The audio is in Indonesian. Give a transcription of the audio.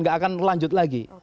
tidak akan lanjut lagi